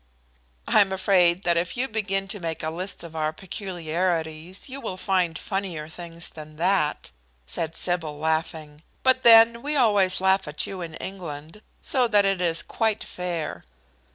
"I am afraid that if you begin to make a list of our peculiarities yon will find funnier things than that," said Sybil, laughing. "But then we always laugh at you in England, so that it is quite fair."